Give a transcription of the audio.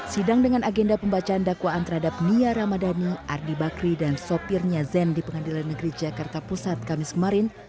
sidang dengan agenda pembacaan dakwaan terhadap nia ramadhani ardi bakri dan sopirnya zen di pengadilan negeri jakarta pusat kamis kemarin